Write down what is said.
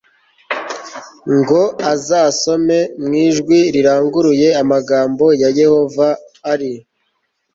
ngo azasome mu ijwi riranguruye amagambo ya yehova ari